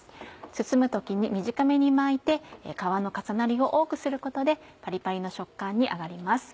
包む時に短めに巻いて皮の重なりを多くすることでパリパリの食感に揚がります。